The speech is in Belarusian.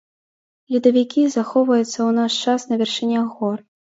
Ледавікі захоўваюцца ў наш час на вяршынях гор.